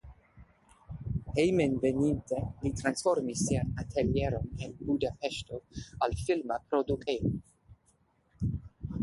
Hejmenveninta li transformis sian atelieron en Budapeŝto al filma produktejo.